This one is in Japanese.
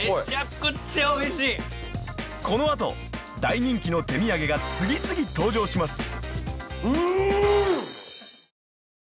［この後大人気の手みやげが次々登場します］